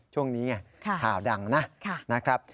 ช่วงนี้ไงข่าวดังนะครับ